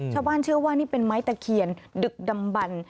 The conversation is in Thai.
ชาวบ้านเชื่อว่านี่เป็นไม้ตะเคียนดึกดำบัน